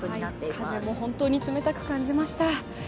風も本当に冷たく感じました。